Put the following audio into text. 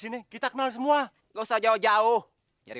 ini puyaka dari orang orang akan takutkan di sini